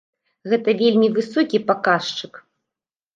Гэта вельмі высокі паказчык!